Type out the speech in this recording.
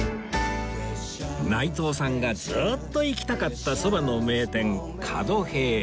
内藤さんがずっと行きたかった蕎麦の名店平